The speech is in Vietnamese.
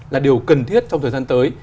là điều cần thiết trong thời gian tới